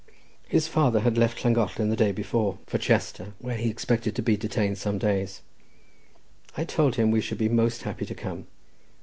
His father had left Llangollen the day before for Chester, where he expected to be detained some days. I told him we should be most happy to come.